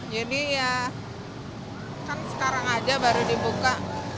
jadi ya kan sekarang aja baru dibuka